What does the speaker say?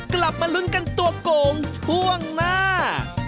กลับมาลุ้นกันตัวโกงช่วงหน้า